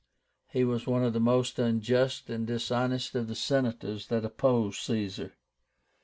He was one of the most unjust and dishonest of the Senators that opposed Caesar.